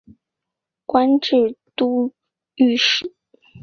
官至都御史。